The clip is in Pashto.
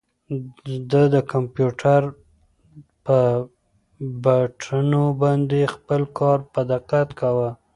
ده د کیبورډ په بټنو باندې خپل کار په دقت کاوه.